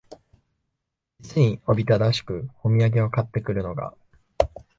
実におびただしくお土産を買って来るのが、